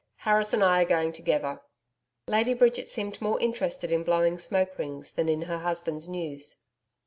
Harris and I are going together.' Lady Bridge seemed more interested in blowing smoke rings than in her husband's news.